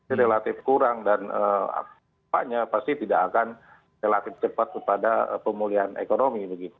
ini relatif kurang dan apanya pasti tidak akan relatif cepat kepada pemulihan ekonomi